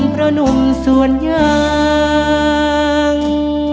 เพราะหนุ่มส่วนยาง